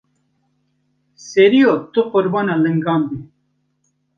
Seriyo tu qurbana lingan bî.